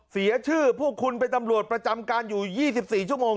เสียชื่อพวกคุณเป็นตำรวจประจำการอยู่๒๔ชั่วโมง